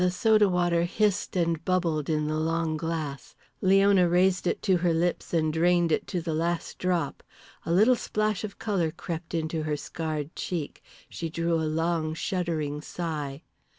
The soda water hissed and bubbled in the long glass. Leona raised it to her lips and drained it to the last drop. A little splash of colour crept into her scarred cheek, she drew a long, shuddering sigh.